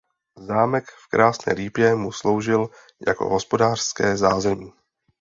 Zámek v Krásné Lípě mu sloužil jako hospodářské zázemí.